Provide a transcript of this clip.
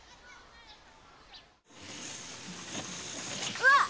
うわっ！